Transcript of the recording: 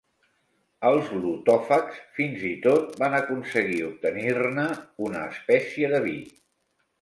Els lotòfags fins i tot van aconseguir obtenir-ne una espècie de vi.